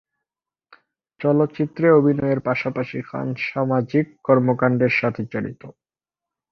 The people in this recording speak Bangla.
চলচ্চিত্রে অভিনয়ের পাশাপাশি খান সামাজিক কর্মকান্ডের সাথে জড়িত।